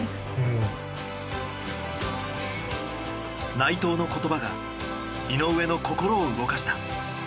内藤の言葉が井上の心を動かした。